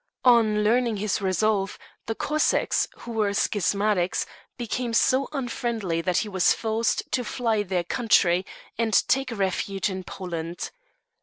On learning this resolve, the Cossacks, who were schismatics, became so unfriendly that he was forced to fly their country, and take refuge in Poland.